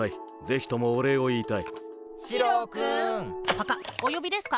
パカッおよびですか？